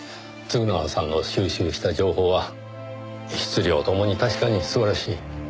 嗣永さんの収集した情報は質・量ともに確かに素晴らしい。